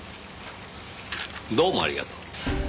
どうもありがとう。